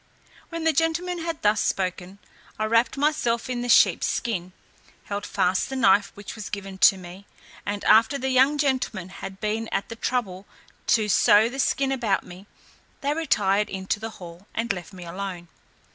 When the gentleman had thus spoken, I wrapt myself in the sheep's skin, held fast the knife which was given me; and after the young gentlemen had been at the trouble to sew the skin about me, they retired into the hall, and left me alone.